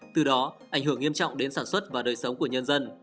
từ đó ảnh hưởng nghiêm trọng đến sản xuất và đời sống của nhân dân